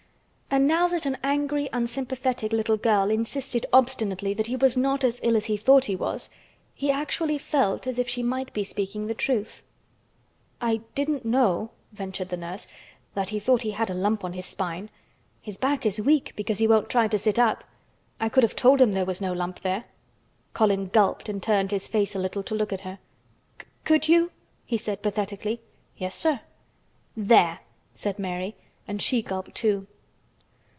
And now that an angry unsympathetic little girl insisted obstinately that he was not as ill as he thought he was he actually felt as if she might be speaking the truth. "I didn't know," ventured the nurse, "that he thought he had a lump on his spine. His back is weak because he won't try to sit up. I could have told him there was no lump there." Colin gulped and turned his face a little to look at her. "C could you?" he said pathetically. "Yes, sir." "There!" said Mary, and she gulped too.